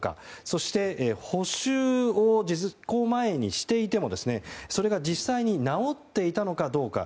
そして補修を事故前にしていてもそれが実際に直っていたのかどうか。